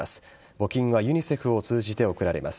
募金はユニセフを通じて送られます。